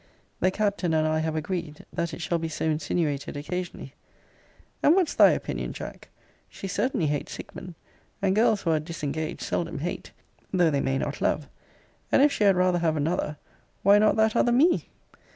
The Captain and I have agreed, that it shall be so insinuated occasionally And what's thy opinion, Jack? She certainly hates Hickman; and girls who are disengaged seldom hate, though they may not love: and if she had rather have another, why not that other ME?